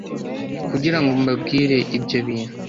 kugira ngo mbabwire ibyo bintu